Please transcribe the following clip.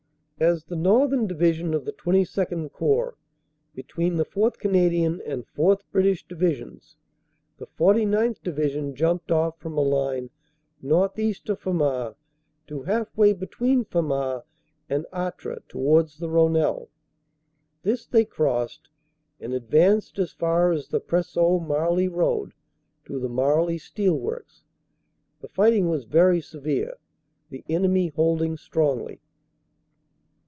"As the northern Division of the XXII Corps, between the 4th. Canadian and 4th. British Divisions, the 49th. Divi sion jumped off from a line northeast of Famars to half way between Famars and Artres towards the Rhonelle. This they crossed and advanced as far as the Preseau Marly road to the Marly steelworks. The fighting was very severe, the enemy holding strongly.